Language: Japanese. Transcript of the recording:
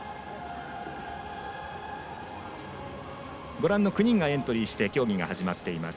ご覧の９人がエントリーして競技が始まっています。